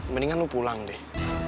mendingan lu pulang deh